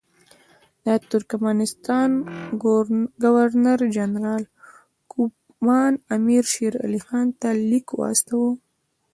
د ترکمنستان ګورنر جنرال کوفمان امیر شېر علي خان ته لیک واستاوه.